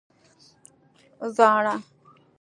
🦩زاڼه